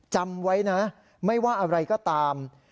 จำไว้นะไม่ว่าอะไรก็ตาม